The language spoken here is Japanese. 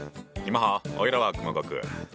おいらは熊悟空！